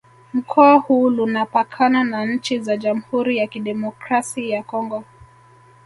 Mkoa huu Lunapakana na nchi za Jamhuri ya Kidemokrasi ya Kongo